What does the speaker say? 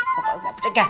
pokoknya gak tega